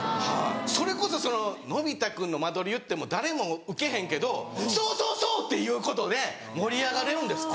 それこそのび太君の間取り言っても誰もウケへんけど「そうそうそう！」っていうことで盛り上がれるんですって。